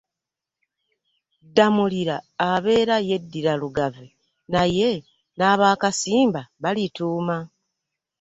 Ddamulira abeera yeddira Lugave naye n'abakasimba balituuma.